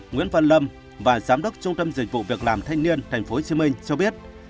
nguyễn văn lâm và giám đốc trung tâm dịch vụ việc làm thanh niên tp hcm cho biết